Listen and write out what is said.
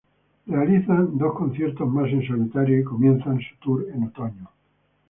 Realizan dos conciertos más en solitario y comienzan su tour en otoño.